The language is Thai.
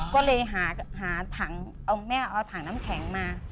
ก็เลยหาถังเอาแม่เอาถังน้ำแข็งมา